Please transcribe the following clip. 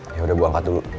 yaudah gue angkat dulu